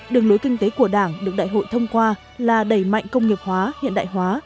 đường lối kinh tế của đảng được đại hội thông qua là đẩy mạnh công nghiệp hóa hiện đại hóa